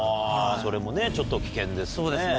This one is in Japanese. それもねちょっと危険ですね。